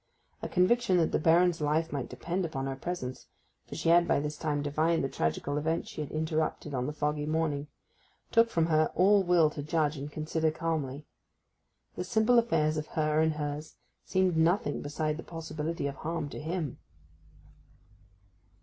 A conviction that the Baron's life might depend upon her presence—for she had by this time divined the tragical event she had interrupted on the foggy morning—took from her all will to judge and consider calmly. The simple affairs of her and hers seemed nothing beside the possibility of harm to him.